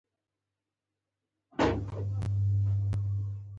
د مازیګر له لمانځه مخکې بیا د اوداسه ځای ته لاړم.